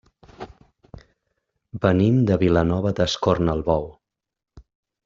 Venim de Vilanova d'Escornalbou.